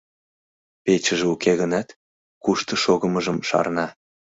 Печыже уке гынат, кушто шогымыжым шарна.